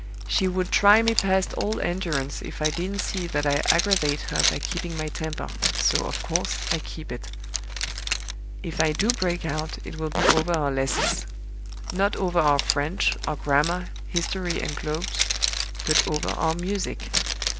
She would try me past all endurance if I didn't see that I aggravate her by keeping my temper, so, of course, I keep it. If I do break out, it will be over our lessons not over our French, our grammar, history, and globes but over our music.